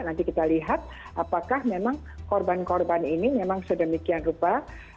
nanti kita lihat apakah memang korban korban ini memang sedemikian rupa